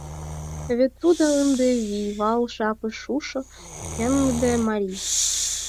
Вет тудо ынде вийвал жапыш шушо пеҥгыде марий.